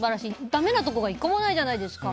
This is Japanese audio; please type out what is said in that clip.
だめなところが１個もないじゃないですか。